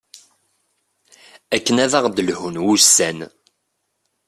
akken ad aɣ-d-lhun wussan